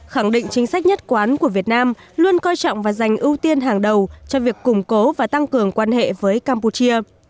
khẳng định chính sách nhất quán của việt nam luôn coi trọng và dành ưu tiên hàng đầu cho việc củng cố và tăng cường quan hệ với campuchia